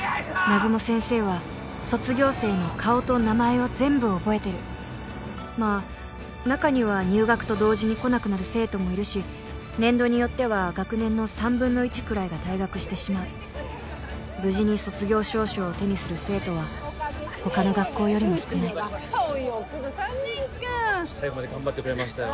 南雲先生は卒業生の顔と名前を全部覚えてるまあ中には入学と同時に来なくなる生徒もいるし年度によっては学年の３分の１くらいが退学してしまう無事に卒業証書を手にする生徒は他の学校よりも少ないよくぞ３年間ホント最後まで頑張ってくれましたよ